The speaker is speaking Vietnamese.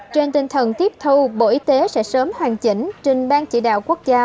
trên tinh thần tiếp thu bộ y tế sẽ sớm hoàn chỉnh trình ban chỉ đạo quốc gia